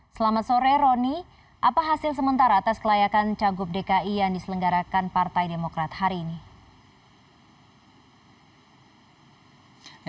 selamat sore roni apa hasil sementara tes kelayakan cagup dki yang diselenggarakan partai demokrat hari ini